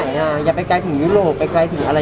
แต่จริงแล้วเขาก็ไม่ได้กลิ่นกันว่าถ้าเราจะมีเพลงไทยก็ได้